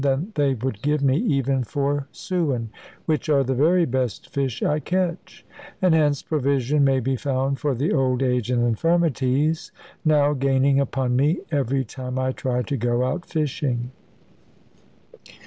than they would give me even for sewin, which are the very best fish I catch: and hence provision may be found for the old age and infirmities, now gaining upon me, every time I try to go out fishing.